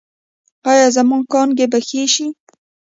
ایا زما کانګې به ښې شي؟